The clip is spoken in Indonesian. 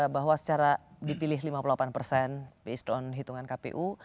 bahwa secara dipilih lima puluh delapan persen based hitungan kpu